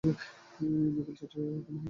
বিকেল চারটায় ওখানে হাজির থাকবেন।